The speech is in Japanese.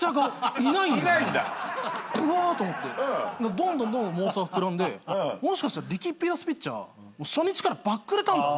どんどんどんどん妄想が膨らんでもしかしたらリキッピーダースピッチャー初日からばっくれたんだと。